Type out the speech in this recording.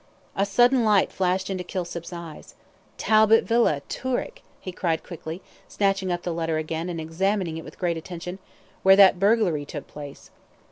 A sudden light flashed into Kilsip's eyes. "Talbot Villa, Toorak," he cried quickly, snatching up the letter again, and examining it with great attention, "where that burglary took place."